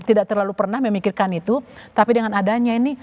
tidak terlalu pernah memikirkan itu tapi dengan adanya ini